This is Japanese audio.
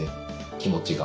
気持ちが。